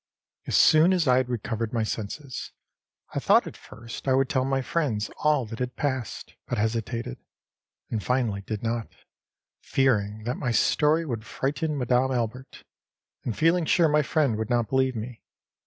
As soon as I had recovered my senses, I thought at first I would tell my friends all that had passed, but hesitated, and finally did not, fearing that my story would frighten Madame Albert, and feeling sure my friend would not believe me.